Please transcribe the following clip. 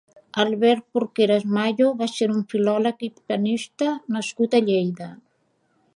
Albert Porqueras-Mayo va ser un filòleg, hispanista nascut a Lleida.